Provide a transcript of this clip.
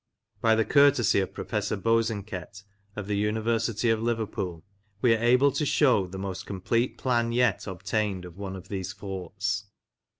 By the courtesy of Professor Bosanquet, of the University of Liverpool, we are able to shew the most complete plan yet obtained of one of these forts.